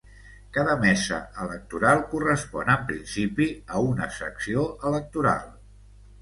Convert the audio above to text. Cada mesa electoral correspon, en principi, a una secció electoral.